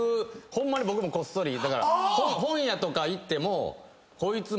ホンマに僕もこっそりだから本屋とか行ってもこいつ。